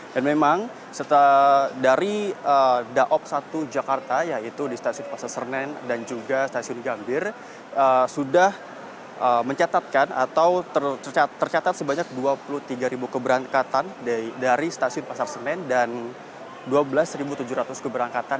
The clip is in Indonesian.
dan memang dari daop satu jakarta yaitu di stasiun pasar senen dan juga stasiun gambir sudah mencatatkan atau tercatat sebanyak dua puluh tiga ribu keberangkatan